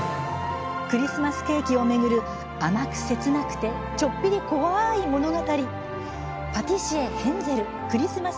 クリスマスケーキを巡る甘くて切なくてちょっぴり怖い物語。